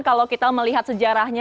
kalau kita melihat sejarahnya